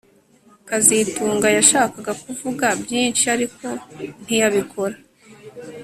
kazitunga yashakaga kuvuga byinshi ariko ntiyabikora